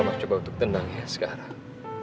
coba coba untuk tenang ya sekarang